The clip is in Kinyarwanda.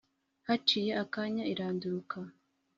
haciye akanya iranduruka.